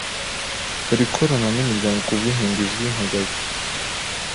Bari gukorana n'imiryango ku by'inkingo izwi nka Gavi,